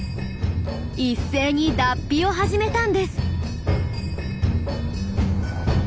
一斉に脱皮を始めたんです。